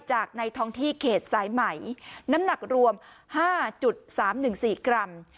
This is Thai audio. ในท้องที่เขตสายไหมน้ำหนักรวม๕๓๑๔กรัม